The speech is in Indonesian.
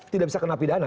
tidak bisa kena pidana